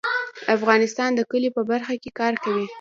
افغانستان د کلیو په برخه کې کار کوي.